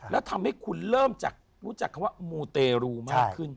แล้วทำให้คุณเริ่มจากรู้จักคำว่ามูเตรูมากขึ้น